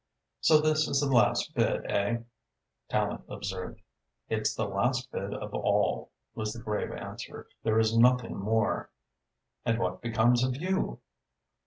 "So this is the last bid, eh?" Tallente observed. "It's the last bid of all," was the grave answer. "There is nothing more." "And what becomes of you?"